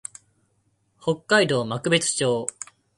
北海道幕別町